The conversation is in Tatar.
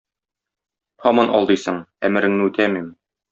һаман алдыйсың, әмереңне үтәмим.